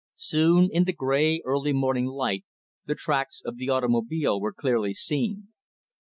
Soon, in the gray, early morning light, the tracks of the automobile were clearly seen.